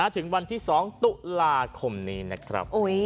ถึงวันที่๒ตุลาคมนี้นะครับ